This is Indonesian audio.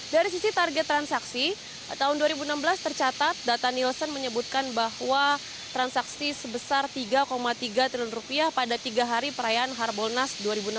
dari sisi target transaksi tahun dua ribu enam belas tercatat data nielsen menyebutkan bahwa transaksi sebesar tiga tiga triliun rupiah pada tiga hari perayaan harbolnas dua ribu enam belas